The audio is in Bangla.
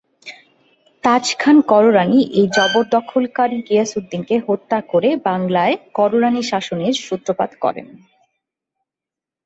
তাজখান কররানী এ জবরদখলকারী গিয়াসউদ্দীনকে হত্যা করে বাংলায় কররানী শাসনের সুত্রপাত করেন।